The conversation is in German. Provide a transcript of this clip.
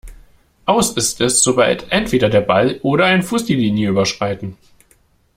Aus ist es, sobald entweder der Ball oder ein Fuß die Linie überschreiten.